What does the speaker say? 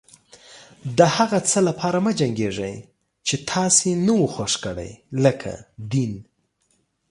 د هغه څه لپاره مه جنګيږئ چې تاسې نه و خوښ کړي لکه دين.